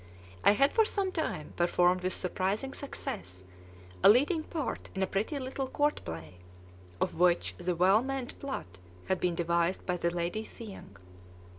I had for some time performed with surprising success a leading part in a pretty little court play, of which the well meant plot had been devised by the Lady Thieng.